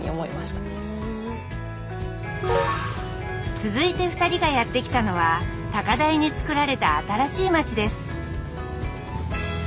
続いて２人がやって来たのは高台につくられた新しい町です